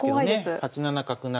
８七角成。